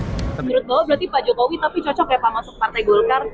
menurut bapak berarti pak jokowi tapi cocok ya pak masuk partai golkar